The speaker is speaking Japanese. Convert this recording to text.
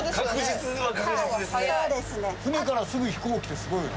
船からすぐ飛行機ってすごいな。